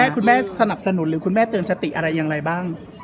คุณแม่สนับสนุนหรือคุณแม่เตือนสติอะไรอย่างไรบ้าง